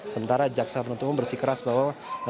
sementara jaksa penuntut bersikeras bahwa